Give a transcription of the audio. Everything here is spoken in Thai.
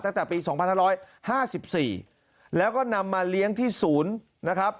ตั้งแต่ปี๒๕๕๔แล้วก็นำมาเลี้ยงที่ศูนย์นะครับ